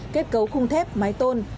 kết cấu khung thép mái tôn